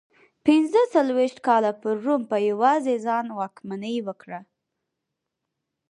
پنځه څلوېښت کاله پر روم په یوازې ځان واکمني وکړه